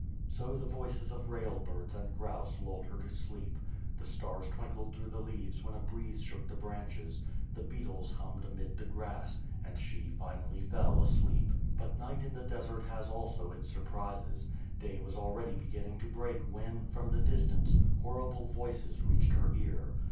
So the voices* of rail birds and grouse lulled her to sleep; the stars twinkled through the leaves when a breeze shook the branches; the beetles hummed amid the grass — ^and she finally fell asleep. But night in the desert has also its sur prises. Day was already beginning to break when, from the distance, horrible voices reached her ear.